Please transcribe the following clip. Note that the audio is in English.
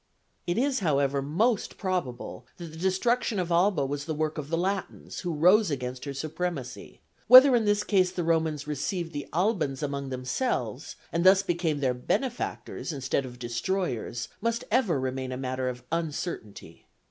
It is, however, most probable that the destruction of Alba was the work of the Latins, who rose against her supremacy; whether in this case the Romans received the Albans among themselves, and thus became their benefactors instead of destroyers, must ever remain a matter of uncertainty.